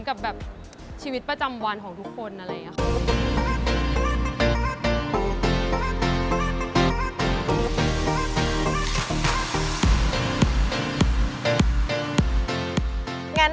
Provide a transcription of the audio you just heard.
กับชีวิตประจำวันของทุกคน